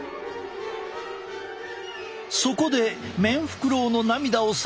そこでメンフクロウの涙を採取。